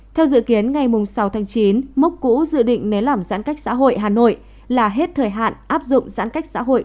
theo dự kiến ngày sáu tháng chín mốc cũ dự định nới lỏng giãn cách xã hội hà nội là hết thời hạn áp dụng giãn cách xã hội